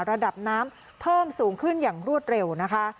ระดับน้ำเพิ่มสูงขึ้นอย่างรวดเร็วนะคะ